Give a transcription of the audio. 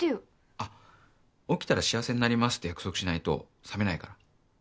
あ起きたら幸せになりますって約束しないと醒めないから。